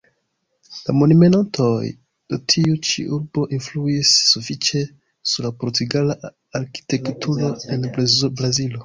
La monumentoj de tiu ĉi urbo influis sufiĉe sur la portugala arkitekturo en Brazilo.